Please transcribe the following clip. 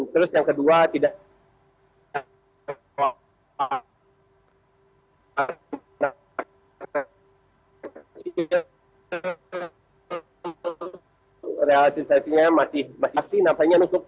terus yang kedua tidak